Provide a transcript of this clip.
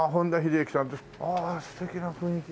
ああ素敵な雰囲気。